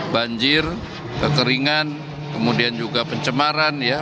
banjir kekeringan kemudian juga pencemaran ya